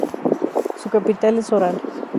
Su capital es Oral.